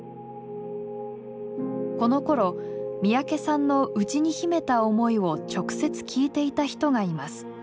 このころ三宅さんの内に秘めた思いを直接聞いていた人がいます。